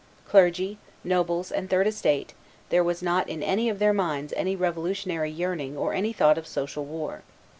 Clergy, nobles, and third estate, there was not in any of their minds any revolutionary yearning or any thought of social war.